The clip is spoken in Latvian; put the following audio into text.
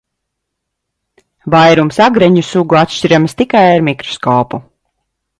Vairums agreņu sugu atšķiramas tikai ar mikroskopu.